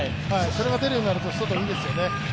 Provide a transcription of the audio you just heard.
それが出るようになると、ソトはいいですよね。